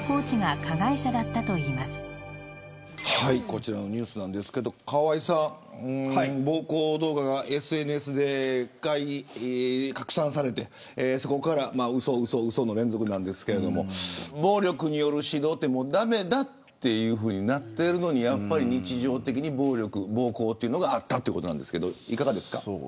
こちらのニュースですが河井さん暴行動画がＳＮＳで拡散されてそこからうそ、うそ、うその連続なんですけれど暴力による指導は駄目だというふうになっているのにやっぱり日常的に暴行があったということなんですけれどいかがですか。